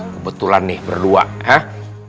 kebetulan nih berdua hah